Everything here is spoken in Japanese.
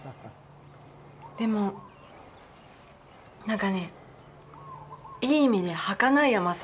でも、なんかね、いい意味で、はかない甘さ。